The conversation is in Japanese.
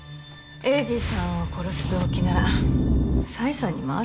栄治さんを殺す動機なら紗英さんにもあるわ。